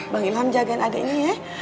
bang ilham jagain adiknya ya